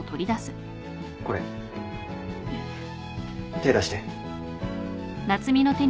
手出して。